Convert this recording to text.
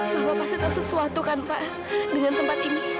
bapak pasti tahu sesuatu kan pak dengan tempat ini